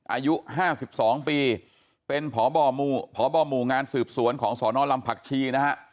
อายุ๕๒ปีเป็นผอบ่อหมู่ผอบ่อหมู่งานสืบสวนของสนลำผักชีนะฮะ